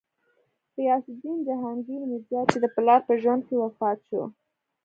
غیاث الدین جهانګیر میرزا، چې د پلار په ژوند کې وفات شو.